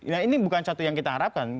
nah ini bukan satu yang kita harapkan